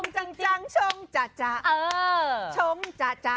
จริงจริงชงจางจาง